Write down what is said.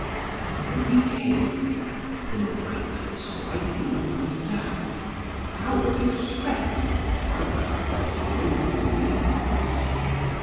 And when he came there, the knight was riding up and down, proud of his strength, and valour, and noble mien.